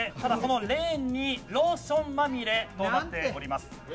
レーンにローションまみれとなっております。